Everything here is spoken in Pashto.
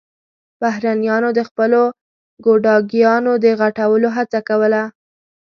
بهرنيانو د خپلو ګوډاګيانو د غټولو هڅه کوله.